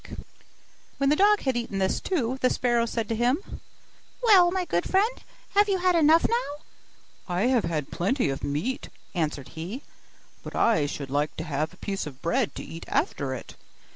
When the dog had eaten this too, the sparrow said to him, 'Well, my good friend, have you had enough now?' 'I have had plenty of meat,' answered he, 'but I should like to have a piece of bread to eat after it.